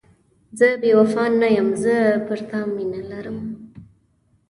زه بې وفا نه یم، زه پر تا مینه لرم.